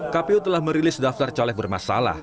kpu telah merilis daftar caleg bermasalah